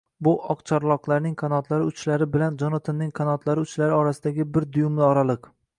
— bu oqcharloqlarning qanotlari uchlari bilan Jonatanning qanotlari uchlari orasidagi bir dyumli oraliq